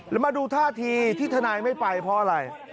แล้วมาดูท่าทีที่ทนายไม่ไปเพราะอะไร